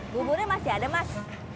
buburnya masih ada mas